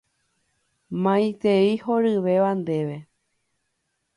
Maitei horyvéva ndéve.